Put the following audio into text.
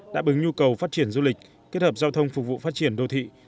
đã bứng nhu cầu phát triển du lịch kết hợp giao thông phục vụ phát triển đô thị